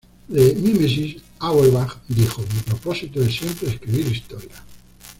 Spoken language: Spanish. De "Mímesis", Auerbach dijo: "Mi propósito es siempre escribir historia".